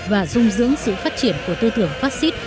và dung dưỡng sự phát triển của tư tưởng phát xít